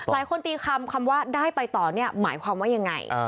ตีคำคำว่าได้ไปต่อเนี่ยหมายความว่ายังไง